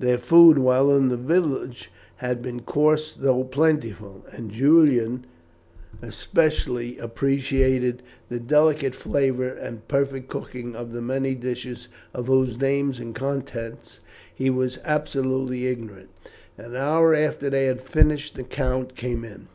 Their food while in the village had been coarse though plentiful, and Julian especially appreciated the delicate flavour and perfect cooking of the many dishes of whose names and contents he was absolutely ignorant. An hour after they had finished, the count came in.